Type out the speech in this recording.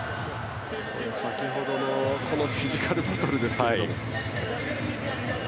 先程のフィジカルバトルですが。